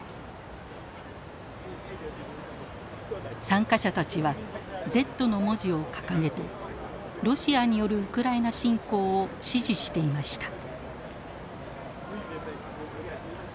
参加者たちは「Ｚ」の文字を掲げてロシアによるウクライナ侵攻を支持していました。